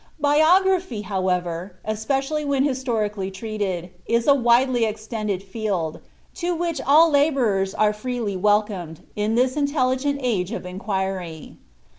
'* Biography, however, especially when historically treated, is a widely extended field, to which all labourers are freely welcomed, in this intelligent age of inquiry.